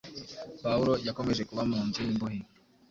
Pawulo yakomeje kuba mu nzu y’imbohe